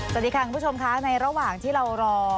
สวัสดีค่ะคุณผู้ชมค่ะในระหว่างที่เรารอ